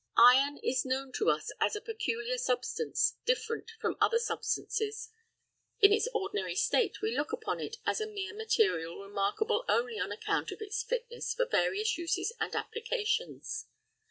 Iron is known to us as a peculiar substance, different from other substances: in its ordinary state we look upon it as a mere material remarkable only on account of its fitness for various uses and applications.